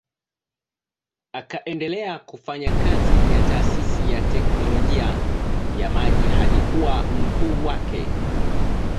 Akaendelea kufanya kazi ya taasisi ya teknolojia ya maji hadi kuwa mkuu wake.